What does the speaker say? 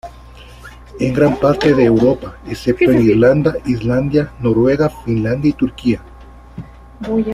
En gran parte de Europa, excepto en Irlanda, Islandia, Noruega, Finlandia y Turquía.